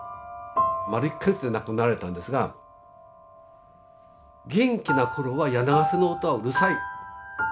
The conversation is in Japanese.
丸１か月で亡くなられたんですが「元気な頃は柳ケ瀬の音はうるさい。